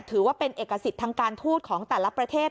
ถือว่าเป็นเอกสิทธิ์ทางการทูตของแต่ละประเทศ